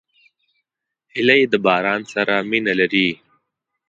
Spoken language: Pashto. هیلۍ د باران سره مینه لري